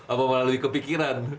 atau malah lebih kepikiran